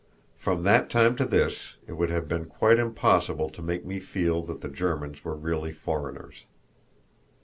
From that time to this it would have been quite impossible to make me feel that the Germans were really foreigners.